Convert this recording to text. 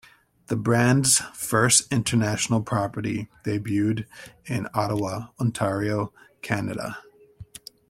The brand's first international property debuted in Ottawa, Ontario, Canada.